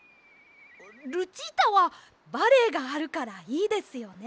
ルチータはバレエがあるからいいですよね。